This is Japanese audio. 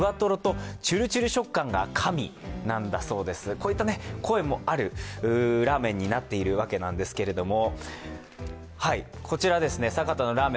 こういった声もあるラーメンになってるわけなんですけども。